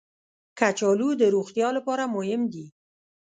کچالو د روغتیا لپاره مهم دي